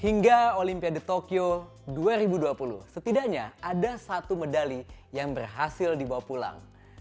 hingga olimpiade tokyo dua ribu dua puluh setidaknya ada satu medali yang berhasil dibawa pulang